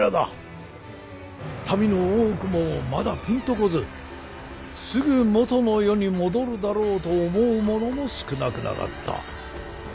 民の多くもまだピンと来ずすぐもとの世に戻るだろうと思う者も少なくなかった。